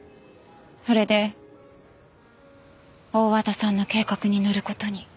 それで大和田さんの計画に乗る事に。